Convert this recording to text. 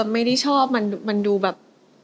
มันดูแบบ